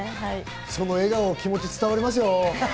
その笑顔、気持ちが伝わりますよ。